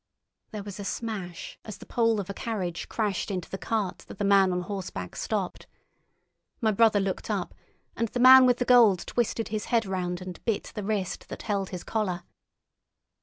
There was a smash as the pole of a carriage crashed into the cart that the man on horseback stopped. My brother looked up, and the man with the gold twisted his head round and bit the wrist that held his collar.